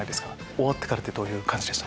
終わってからどういう感じでした？